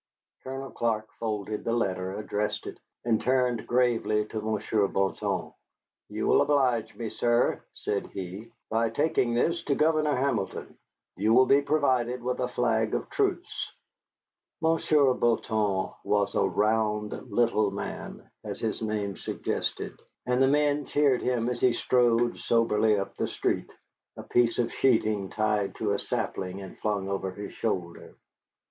Colonel Clark folded the letter, addressed it, and turned gravely to Monsieur Bouton. "You will oblige me, sir," said he, "by taking this to Governor Hamilton. You will be provided with a flag of truce." Monsieur Bouton was a round little man, as his name suggested, and the men cheered him as he strode soberly up the street, a piece of sheeting tied to a sapling and flung over his shoulder.